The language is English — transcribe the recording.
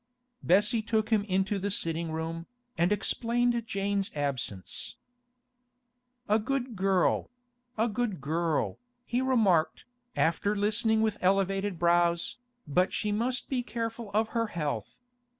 Bessie took him into the sitting room, and explained Jane's absence. 'A good girl; a good girl,' he remarked, after listening with elevated brows, 'But she must be careful of her health.